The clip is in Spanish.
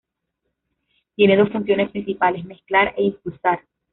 Tiene dos funciones principales: mezclar e impulsar.